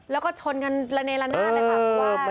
แล้วก็ชนกันระเนละหน้าเลยครับว่า